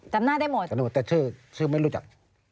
จำได้หมดแต่ชื่อไม่รู้จัก